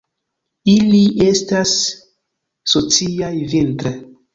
Ili estas sociaj vintre.